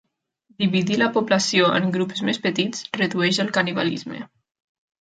Dividir la població en grups més petits redueix el canibalisme.